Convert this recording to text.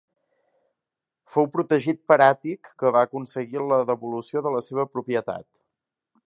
Fou protegit per Àtic que va aconseguir la devolució de la seva propietat.